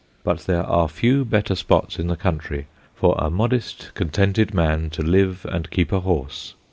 But there are few better spots in the country for a modest contented man to live and keep a horse.